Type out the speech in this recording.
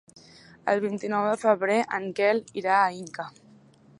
El vint-i-nou de febrer en Quel irà a Inca.